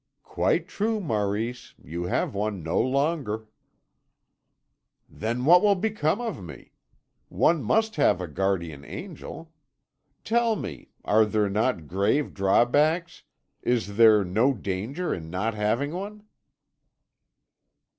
"Quite true, Maurice, you have one no longer." "Then what will become of me? One must have a guardian angel. Tell me, are there not grave drawbacks, is there no danger in not having one?"